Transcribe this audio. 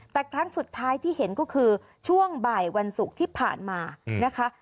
แต่ครั้งสุดท้ายที่เห็นก็คือช่วงบ่ายวันศุกร์ที่ผ่านมานะคะ